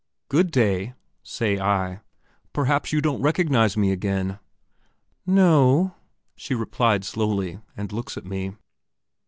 "Good day," say I; "perhaps you don't recognize me again." "No," she replied slowly, and looks at me.